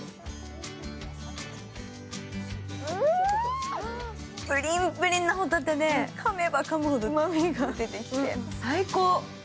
うーん、ぷりんぷりんのホタテでかめばかむほどうまみが出てきて最高。